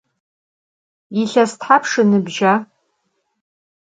Yilhes thapşş ınıbja?